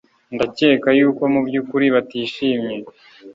Ndakeka yuko mubyukuri batishimye